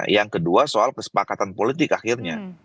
yang kedua soal kesepakatan politik akhirnya